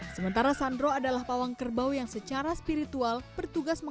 sementara sandro adalah pawang kerbau yang secara spiritual dia akan mencari joki yang berdiri di atas kareng